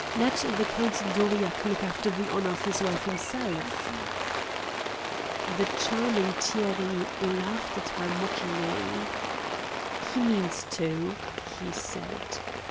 Let the Count d'Aurillac look after the honor of his wife himself." The charming Thierry laughed at her mockingly. "He means to," he said.